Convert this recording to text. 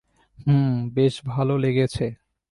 হুম, বেশ ভালো লেগেছে।